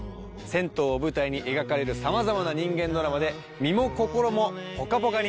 銭湯を舞台に描かれるさまざまな人間ドラマで身も心もぽかぽかに！